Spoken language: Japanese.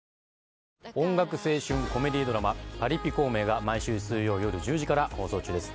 音楽青春コメディードラマ『パリピ孔明』が毎週水曜夜１０時から放送中です。